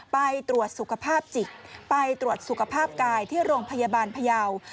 ไปตรวจสุขภาพจิตไปตรวจสุขภาพกายที่โรงพยาบาลพยาว